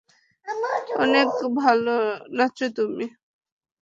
অনেক ভালো নাচো তুমি।